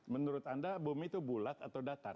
menurut anda bumi itu bulat atau datar